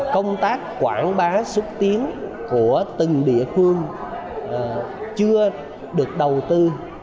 công tác quảng bá xúc tiến của từng địa phương chưa được đầu tư